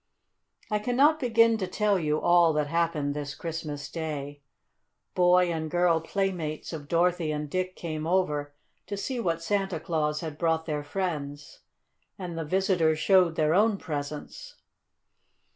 I cannot begin to tell you all that happened this Christmas Day. Boy and girl playmates of Dorothy and Dick came over to see what Santa Claus had brought their friends, and the visitors showed their own presents.